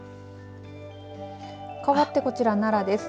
かわってこちら奈良です。